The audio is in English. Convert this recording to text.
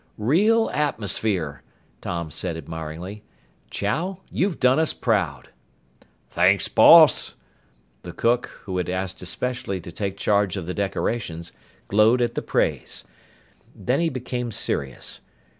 "Real atmosphere!" Tom said admiringly. "Chow, you've done us proud!" "Thanks, boss." The cook, who had asked especially to take charge of the decorations, glowed at the praise. Then he became serious.